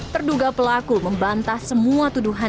terduga pelaku membantah semua tuduhan